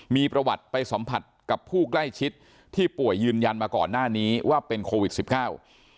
มีประวัติไปสัมผัสกับผู้ใกล้ชิดที่ป่วยยืนยันมาก่อนหน้านี้ว่าเป็นโควิดสิบเก้า